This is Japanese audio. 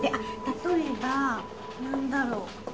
例えば何だろう。